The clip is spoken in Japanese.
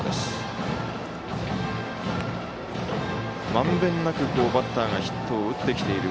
まんべんなくバッターがヒットを打ってきている